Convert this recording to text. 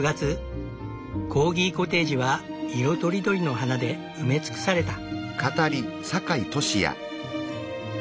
コーギコテージは色とりどりの花で埋め尽くされた。